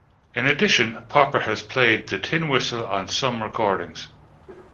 In addition, Popper has played the tin whistle on some recordings.